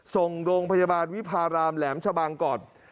ส่งโรงพยาบาลวิพารามแหลมชะบังก่อน